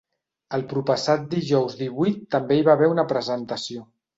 El proppassat dijous divuit també hi va haver una presentació.